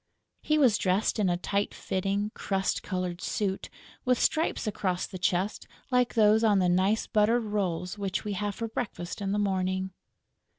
He was dressed in a tight fitting crust coloured suit, with stripes across the chest like those on the nice buttered rolls which we have for breakfast in the morning.